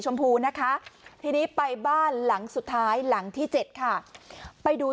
พูนะคะทีนี้ไปบ้านหลังสุดท้ายหลังที่เจ็ดค่ะไปดู